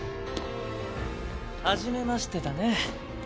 はじめましてだね。